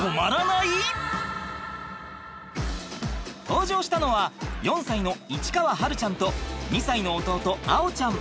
登場したのは４歳の市川晴ちゃんと２歳の弟碧ちゃん。